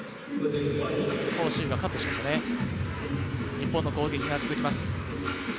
日本の攻撃が続きます。